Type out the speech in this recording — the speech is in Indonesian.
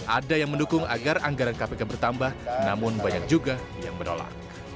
ada yang mendukung agar anggaran kpk bertambah namun banyak juga yang menolak